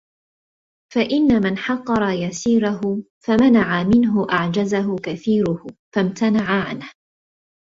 فَإِنَّ مَنْ حَقَّرَ يَسِيرَهُ فَمَنَعَ مِنْهُ أَعْجَزَهُ كَثِيرُهُ فَامْتَنَعَ عَنْهُ